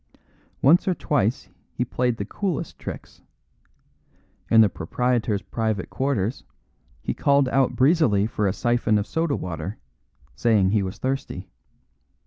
Once or twice he played the coolest tricks. In the proprietor's private quarters he called out breezily for a syphon of soda water, saying he was thirsty.